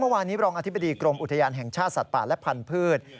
เมื่อวานนี้รองอธิบดีกรมอุทยานแห่งชาติสัตว์ป่าและพันธุ์